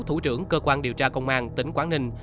thủ trưởng cơ quan điều tra công an tỉnh quảng ninh